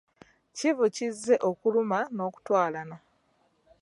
Kivu kizze okuluma n'okutwalana.